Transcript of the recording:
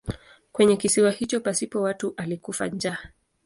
Kwenye kisiwa hicho pasipo watu alikufa njaa.